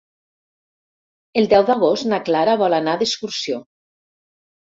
El deu d'agost na Clara vol anar d'excursió.